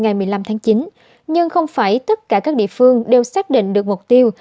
ngày một mươi năm tháng chín nhưng không phải tất cả các địa phương đều xác định được mục tiêu